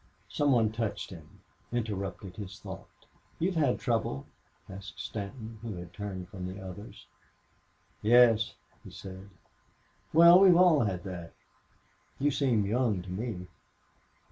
Some one touched him, interrupted his thought. "You've had trouble?", asked Stanton, who had turned from the others. "Yes," he said. "Well, we've all had that.... You seem young to me."